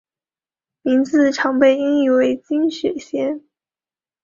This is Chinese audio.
名字常被音译为金雪贤。